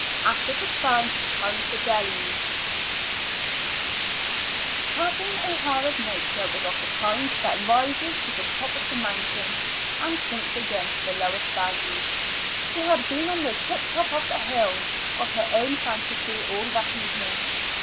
AFTER THE FUN COMES THE DELUGE Kathleen O'Hara's nature was of the kind that rises to the top of the mountains and sinks again to the lowest vales. She had been on the tip top of the hills of her own fantasy all that evening.